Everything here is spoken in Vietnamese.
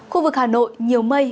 khu vực hà nội nhiều mây